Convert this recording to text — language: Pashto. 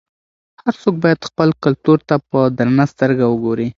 هر څوک باید خپل کلتور ته په درنه سترګه وګوري.